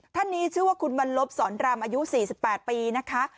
ท่านนี้ชื่อว่าคุณบรรลบสอนรำอายุ๔๘ปีนะคะ